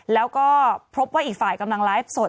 แล้วก็พบว่าอีกฝ่ายกำลังไลฟ์สด